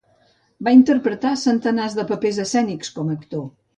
Va interpretar centenars de papers escènics com a actor.